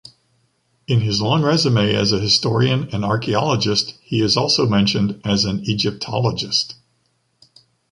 In his long resume as a historian and archeologist, he is also mentioned as an Egyptologist.